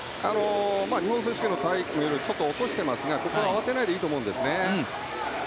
日本選手権のタイムよりちょっと落としてますがここは慌てないでいいと思うんですね。